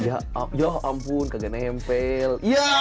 ya ampun kagak nempel